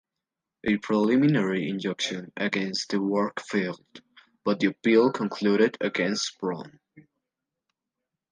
A preliminary injunction against the work failed, but the appeal concluded against Braun.